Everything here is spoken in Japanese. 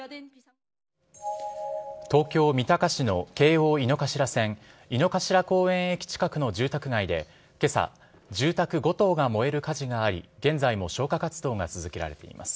東京・三鷹市の京王井の頭線井の頭公園駅近くの住宅街で今朝住宅５棟が燃える火事があり現在も消火活動が続けられています。